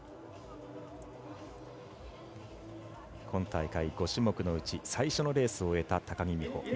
今大会５種目のうち最初のレースを終えた高木美帆。